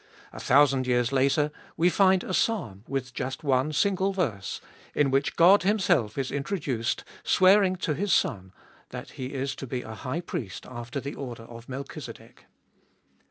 A thousand years later we find a Psalm with just one single verse, in which God Himself is introduced, swearing to His Son that He is to be a High Priest after the order of Melchizedek.